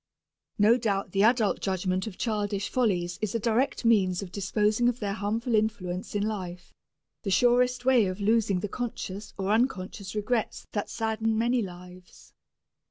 No doubt the adult judgment of childish follies is a direct means of disposing of their harmful influence in life, the surest way of losing the conscious or unconscious regrets that sadden many lives.